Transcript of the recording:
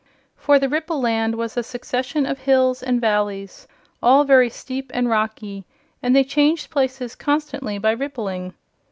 For the Ripple Land was a succession of hills and valleys, all very steep and rocky, and they changed places constantly by rippling.